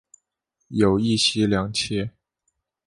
有一妻两妾。